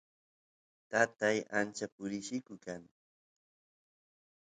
tatay ancha purilliku kan